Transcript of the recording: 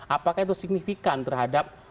apakah itu signifikan terhadap